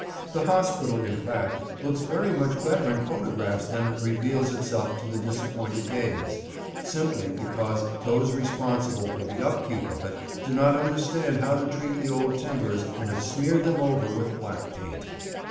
The Hospital, in fact, looks very much better in photographs than it reveals itself to the disappointed gaze: simply because those responsible for the upkeep of it do not understand how to treat the old timbers, and have smeared them over with black paint.